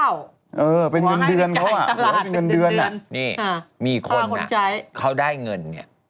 หมัวให้จ่ายตลาด๑เดือนนี่มีคนเขาได้เงิน